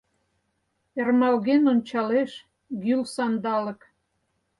Ӧрмалген ончалеш гӱл Сандалык.